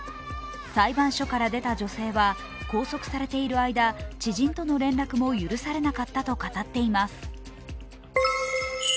裁判所から出た女性は拘束されている間、知人との連絡も許されなかったと語っています。